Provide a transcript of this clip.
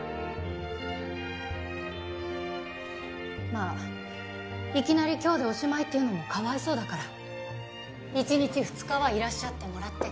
まあいきなり今日でおしまいっていうのもかわいそうだから１日２日はいらっしゃってもらって結構。